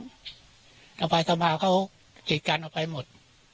กำลังไปทำมาเขากินกันไปหมด